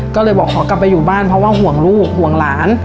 ก็เลยบอกขอกลับไปอยู่บ้านเพราะว่าห่วงลูกห่วงหลาน